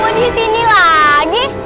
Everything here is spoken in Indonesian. lu di sini lagi